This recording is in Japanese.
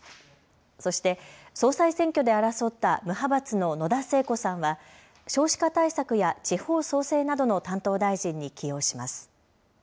そして、総裁選挙で争った無派閥の野田聖子さんは少子化対策や地方創生などの担当大臣に起用します。